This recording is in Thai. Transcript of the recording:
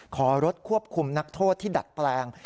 ขอรถควบคุมนักโทษที่ดัดแปลง